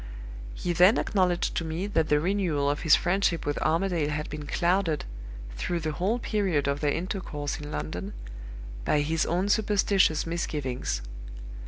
"He then acknowledged to me that the renewal of his friendship with Armadale had been clouded, through the whole period of their intercourse in London, by his own superstitious misgivings.